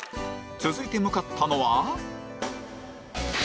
続いて向かったのは